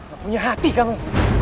gak punya hati kamu